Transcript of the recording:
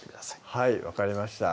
はい分かりました